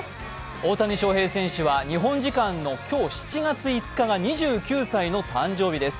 大谷翔平選手は日本時間の今日７月５日が２９歳の誕生日です